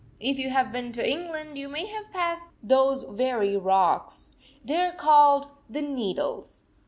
If you have been to England, you may have passed those very rocks. They are called "The Needles."